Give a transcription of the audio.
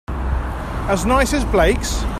As nice as Blake's?